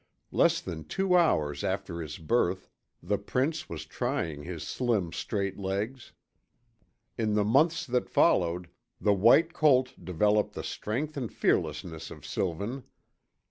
Less than two hours after his birth, the prince was trying his slim, straight legs. In the months that followed, the white colt developed the strength and fearlessness of Sylvan.